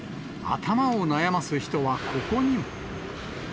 頭を悩ます人はここにも。